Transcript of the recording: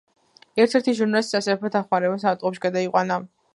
ერთ-ერთი ჟურნალისტი სასწრაფო დახმარებამ საავადმყოფოში გადაიყვანა.